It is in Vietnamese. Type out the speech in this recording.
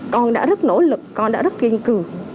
con đã rất nỗ lực con đã rất kiên cường